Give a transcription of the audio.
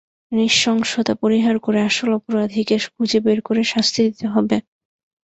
নৃশংসতা পরিহার করে আসল অপরাধীকে খুঁজে বের করে শাস্তি দিতে হবে।